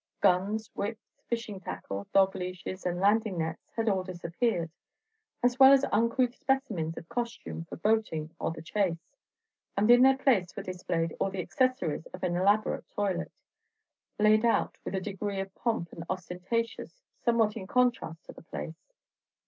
Guns, whips, fishing tackle, dog leashes, and landing nets had all disappeared, as well as uncouth specimens of costume for boating or the chase; and in their place were displayed all the accessories of an elaborate toilet, laid out with a degree of pomp and ostentation somewhat in contrast to the place.